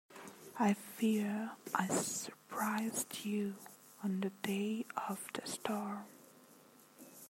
I fear I surprised you, on the day of the storm?